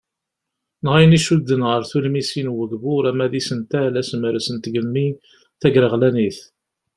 Neɣ ayen iccuden ɣer tulmisin n ugbur ama d isental, asemres n tgemmi ,tagreɣlanit.